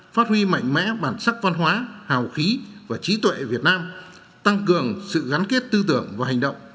phát huy mạnh mẽ bản sắc văn hóa hào khí và trí tuệ việt nam tăng cường sự gắn kết tư tưởng và hành động